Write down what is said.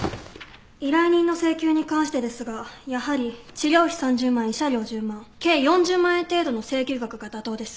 依頼人の請求に関してですがやはり治療費３０万慰謝料１０万計４０万円程度の請求額が妥当です。